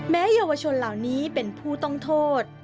เยาวชนเหล่านี้เป็นผู้ต้องโทษ